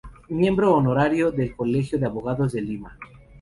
Miembro honorario del Colegio de Abogados de Lima.